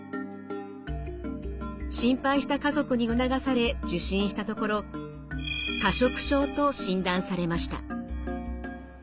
心配した家族に促され受診したところ過食症と診断されました。